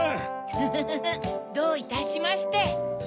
フフフどういたしまして。